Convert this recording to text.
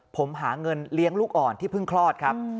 ผมหาเงินเลี้ยงลูกอ่อนที่เพิ่งคลอดครับ